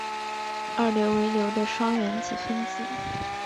二硫为硫的双原子分子。